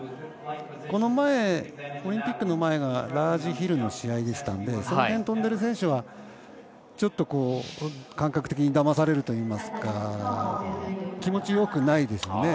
オリンピックの前がラージヒルの試合でしたのでその辺を飛んでいる選手はちょっと感覚的にだまされるといいますか気持ちよくないですよね